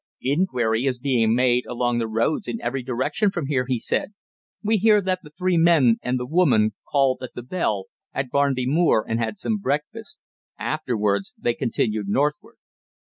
"Inquiry is being made along the roads in every direction from here," he said. "We hear that the three men and the woman called at the Bell, at Barnby Moor, and had some breakfast. Afterwards they continued northward."